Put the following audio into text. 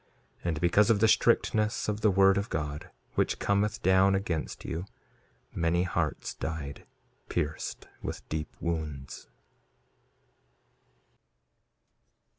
And because of the strictness of the word of God, which cometh down against you, many hearts died, pierced with deep wounds.